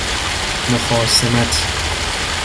مخاصمت